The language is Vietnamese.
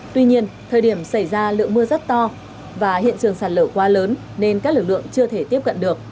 tuy nhiên thời điểm xảy ra lượng mưa rất to và hiện trường sạt lở quá lớn nên các lực lượng chưa thể tiếp cận được